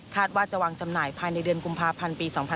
ว่าจะวางจำหน่ายภายในเดือนกุมภาพันธ์ปี๒๕๕๙